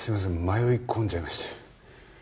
迷い込んじゃいまして。